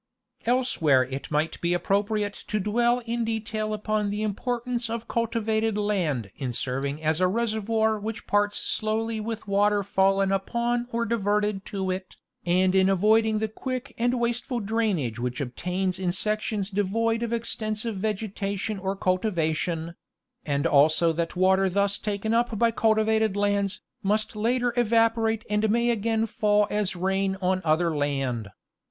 Elsewhere it might be appropriate to dwell in detail upon the importance of cultivated land in serving as a reservoir which parts slowly with the water fallen upon or diverted to it, and in avoiding the quick and wasteful drainage which obtains in sections devoid of extensive vegetation or cultivation; and also that water thus taken up by cultivated lands must later evaporate and Geography of the Avr. 55 may again fall as rain on other land.